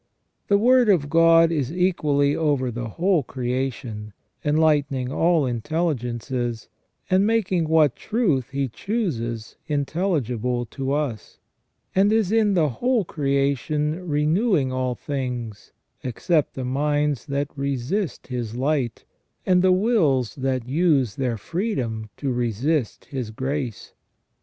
The Word of God is equally over the whole creation, enlighten ing all intelligences, and making what truth He chooses intelligible to us ; and is in the whole creation, renewing all things, except the minds that resist His light, and the wills that use their freedom to resist His grace.